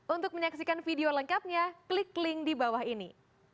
untuk menyaksikan video lengkapnya klik link di bawah ini